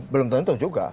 belum tentu juga